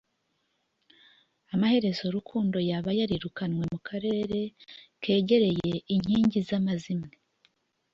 Amaherezo Rukundo yaba yarirukanwe mukarere kegereye inkingi zamazimwe?